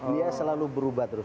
dia selalu berubah terus